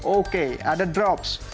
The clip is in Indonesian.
oke ada drops